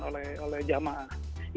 itu yang dipermasalahkan oleh jemaah